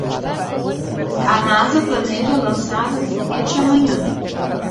A Nasa planeja lançar um foguete amanhã.